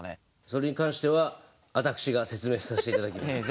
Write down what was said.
それに関してはあたくしが説明さしていただきます。